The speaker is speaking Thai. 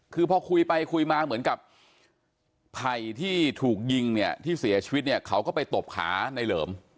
คือพ่อคุยมาเหมือนใครที่ถูกยิงเนี่ยที่เสียชีวิตค่ะเค้าก็ไปตบขาในเหลิม